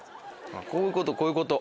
こういうことこういうこと。